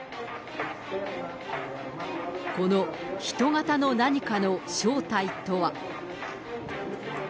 この人型の何かの正体とは。